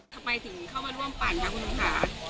ทำไมถึงเข้ามาร่วมปั่นคะคุณลุงค่ะ